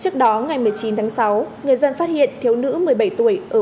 trước đó ngày một mươi chín tháng sáu người dân phát hiện thiếu nữ một mươi bảy tuổi ở